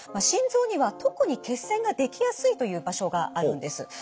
心臓には特に血栓ができやすいという場所があるんです。